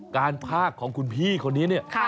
การพากของคุณพี่คนนี้เนี่ย